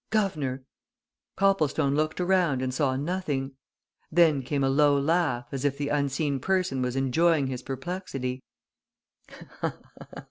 "Guv'nor!" Copplestone looked around and saw nothing. Then came a low laugh, as if the unseen person was enjoying his perplexity.